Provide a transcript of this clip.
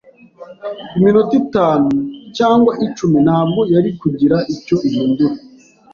Iminota itanu cyangwa icumi ntabwo yari kugira icyo ihindura.